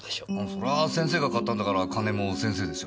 そらあ先生が買ったんだから金も先生でしょ。